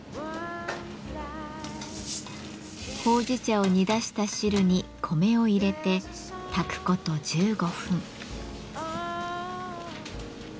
ほうじ茶を煮出した汁に米を入れて炊くこと１５分。